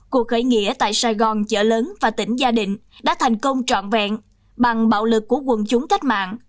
cuộc khởi nghĩa tại sài gòn chợ lớn và tỉnh gia định đã thành công trọn vẹn bằng bạo lực của quân chúng cách mạng